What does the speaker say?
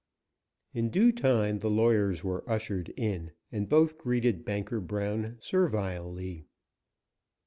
In due time the lawyers were ushered in, and both greeted Banker Brown servilely.